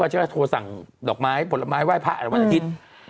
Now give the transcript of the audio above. จะโทรสั่งดอกไม้ผลไม้ไห้พระวันอาทิตย์